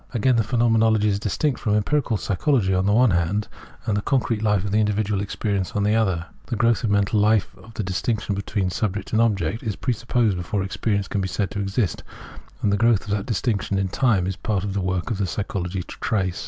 Again, the Phenomenology is distinct from empirical psychology on the one hand, and the concrete Ufe of individual experience on the other. The growth in mental life of the distinction between subject and object is presupposed before experience can be said to exist, a;ad the growth of that distinction in time it is part of the work of psychology to trace.